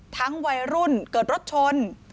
วัยรุ่นเกิดรถชน